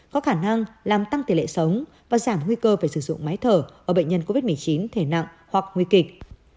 có khả năng làm tăng tỷ lệ sống và giảm nguy cơ phải sử dụng máy thở ở bệnh nhân covid một mươi chín thể nặng hoặc nguy kịch